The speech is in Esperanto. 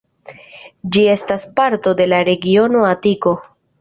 Ĝi estas parto de la regiono Atiko.